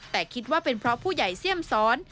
แต่คิดว่าเป็นเพราะผู้ใหญ่เสี่ยมซ้อน